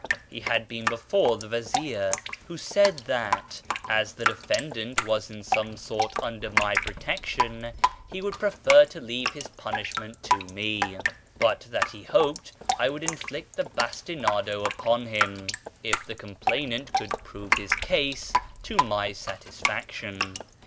He had been before the vazir, who said that, as the defendant was in some sort under my protection, he would prefer to leave his punishment to me ; but that he hoped I would inflict the bastinado upon him, if the complainant could prove his case to my satisfaction.